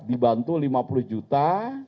dibantu lima puluh juta